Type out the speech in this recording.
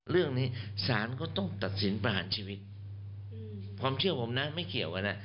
เรื่องนี้สารก็ต้องตัดสินประหารชีวิตความเชื่อผมนะไม่เกี่ยวกันนะ